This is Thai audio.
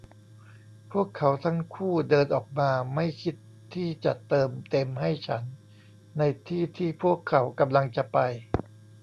พวกเขาทั้งคู่เดินออกมาไม่คิดที่จะเติมเต็มให้ฉันในที่ที่พวกเขากำลังจะไป